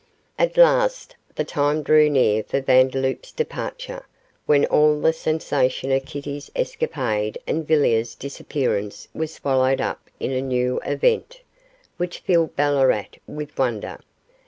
At last the time drew near for Vandeloup's departure, when all the sensation of Kitty's escapade and Villiers' disappearance was swallowed up in a new event, which filled Ballarat with wonder.